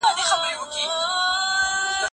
ما هغه ته د موضوع د څېړلو لاره وښودله.